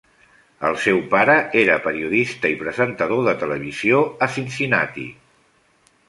El seu pare era periodista i presentador de televisió a Cincinnati.